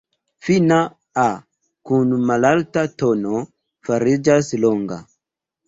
Fina "a" kun malalta tono fariĝas longa.